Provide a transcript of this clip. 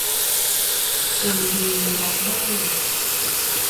เอ็น ดี รับเบอร์